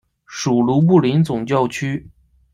属卢布林总教区。